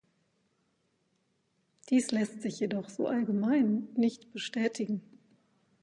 Dies lässt sich jedoch so allgemein nicht bestätigen.